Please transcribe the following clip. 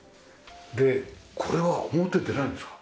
でこれは表出られるんですか？